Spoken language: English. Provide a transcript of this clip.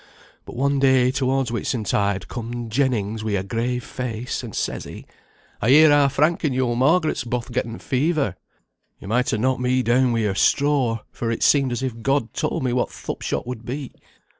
But one day towards Whitsuntide comed Jennings wi' a grave face, and says he, 'I hear our Frank and your Margaret's both getten the fever.' You might ha' knocked me down wi' a straw, for it seemed as if God told me what th' upshot would be.